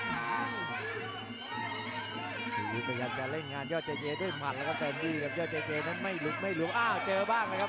ทีนี้พยายามจะเร่งงานยอดเจเยด้วยหมัดแล้วก็แต่นี่ครับยอดเจเจนั้นไม่หลุดไม่หลงอ้าวเจอบ้างนะครับ